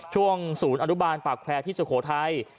ช่วงศูนย์อนุบาลปากแผลที่สุโขทัย